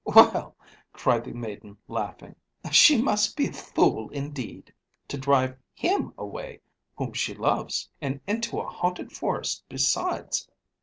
"Well," cried the maiden, laughing, "she must be a fool indeed! To drive him away whom she loves! and into a haunted forest besides!